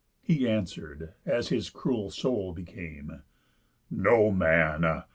He answer'd, as his cruel soul became: 'No Man!